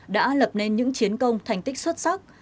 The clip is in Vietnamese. đã lập nên những chiến công thành tích xuất sắc